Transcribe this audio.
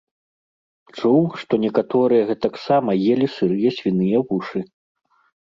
Чуў, што некаторыя гэтак сама елі сырыя свіныя вушы.